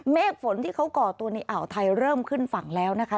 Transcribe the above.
เมฆฝนที่เขาก่อตัวในอ่าวไทยเริ่มขึ้นฝั่งแล้วนะคะ